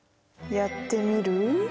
やってみる？